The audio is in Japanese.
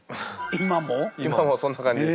今もそんな感じです。